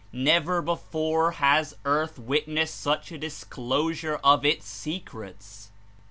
Never before has earth witnessed such a disclosure of its secrets.